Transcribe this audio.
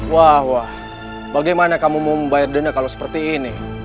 wah wah bagaimana kamu mau membayar denda kalau seperti ini